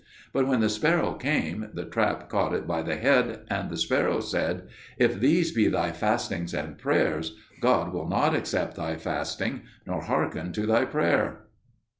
But when the sparrow came, the trap caught it by the head; and the sparrow said, 'If these be thy fastings and prayers, God will not accept thy fasting nor hearken to thy prayer.'"